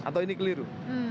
atau ini keliru